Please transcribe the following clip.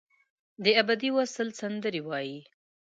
دابدي وصل سندرې وایې